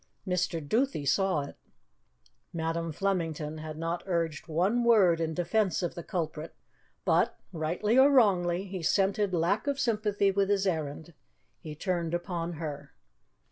Mr. Duthie saw it. Madam Flemington had not urged one word in defence of the culprit, but, rightly or wrongly, he scented lack of sympathy with his errand. He turned upon her.